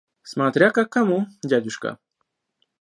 Смотря как кому, дядюшка.